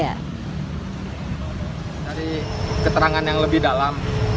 dari keterangan yang lebih dalam